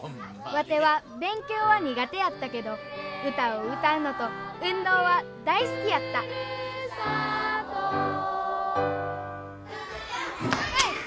ワテは勉強は苦手やったけど歌を歌うのと運動は大好きやったえいっ！